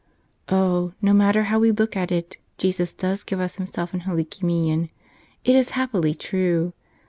Oh, no matter how we look at it, Jesus does give us Himself in Holy Communion; — it is happily true!